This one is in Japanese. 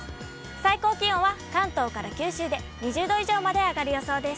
最高気温は関東から九州で２０度以上まで上がる予想です。